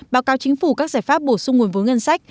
báo cáo chính phủ các giải pháp bổ sung nguồn vốn ngân sách